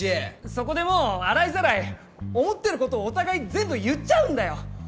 そこでもう洗いざらい思ってることをお互い全部言っちゃうんだよ！